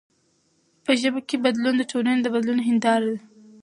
په ژبه کښي بدلون د ټولني د بدلون هنداره ده.